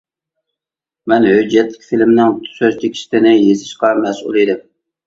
مەن ھۆججەتلىك فىلىمنىڭ سۆز تېكىستىنى يېزىشقا مەسئۇل ئىدىم.